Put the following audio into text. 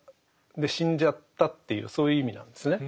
で死んじゃったっていうそういう意味なんですね。